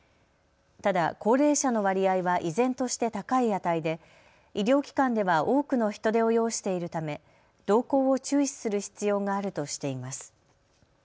ただ、高齢者の割合は依然として高い値で医療機関では多くの人手を要しているため動向を注意する必要があるとしています。